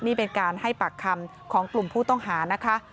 นี่เป็นการให้ปากคำของกลุ่มผู้ต้องหานะคะ